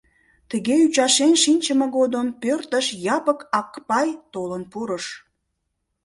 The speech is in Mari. Тыге ӱчашен шинчыме годым пӧртыш Япык Акпай толын пурыш.